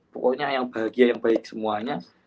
pokoknya yang bahagia yang baik semuanya